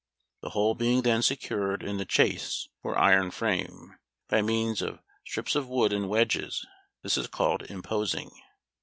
The whole being then secured in the "chase," or iron frame, by means of strips of wood and wedges. This is called "imposing."